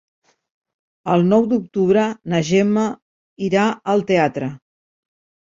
El nou d'octubre na Gemma irà al teatre.